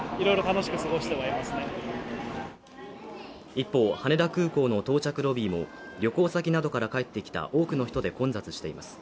一方、羽田空港の到着ロビーも、旅行先などから帰ってきた多くの人で混雑しています。